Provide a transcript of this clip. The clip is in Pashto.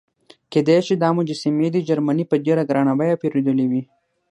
کېدای شي دا مجسمې دې جرمني په ډېره ګرانه بیه پیرودلې وي.